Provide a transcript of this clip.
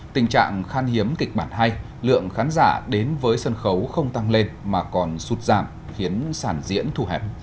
tình trạng khan hiếm kịch bản hay lượng khán giả đến với sân khấu không tăng lên mà còn sụt giảm khiến sản diễn thù hẹp